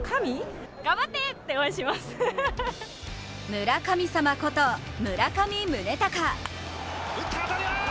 村神様こと村上宗隆。